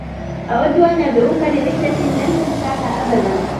أودّ أن أدعوك لرحلة لن تنسها أبدا.